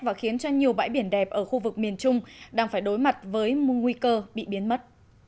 và khiến cho nhiều bãi biển đẹp ở khu vực miền trung đang phải đối mặt với nguy cơ bị biến mất